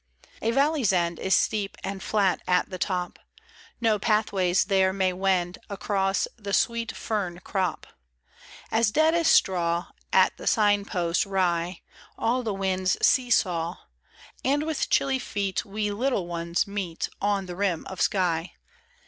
A valley's end Is steep and flat at the top, No pathways there may wend Across the sweet fern crop 17 As dead as straw ; At the sign post wiy All the winds see saw, And with chilly feet We little ones meet On the rim of sky.